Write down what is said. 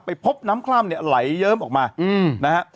ไปพบน้ำคล้ามไหลเยิ้มออกมา